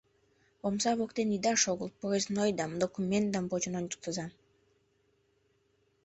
Омса воктен ида шогылт, проезднойдам, документдам почын ончыктыза!